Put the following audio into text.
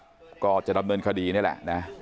แล้วก็จะดำเนินคดีนี่แหละนะ